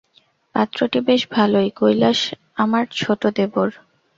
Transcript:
পাত্রটি বেশ ভালোই– কৈলাস, আমার ছোটো দেবর।